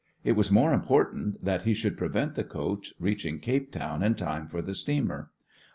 It was more important that he should prevent the coach reaching Cape Town in time for the steamer.